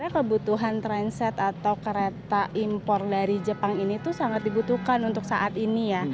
kebutuhan transit atau kereta impor dari jepang ini tuh sangat dibutuhkan untuk saat ini ya